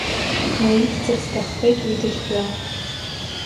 Снаидҵыр сҭаххеит уи дыхьжәа.